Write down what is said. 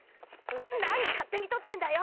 何勝手に撮ってんだよ！